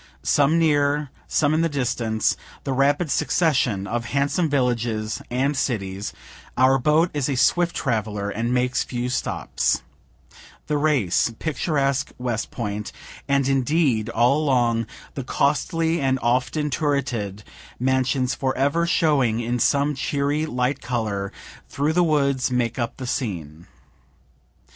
some near, some in the distance the rapid succession of handsome villages and cities, (our boat is a swift traveler, and makes few stops) the Race picturesque West Point, and indeed all along the costly and often turreted mansions forever showing in some cheery light color, through the woods make up the scene.